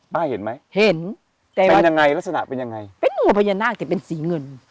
เห็นไหมเห็นเป็นยังไงลักษณะเป็นยังไงเป็นงูพญานาคแต่เป็นสีเงิน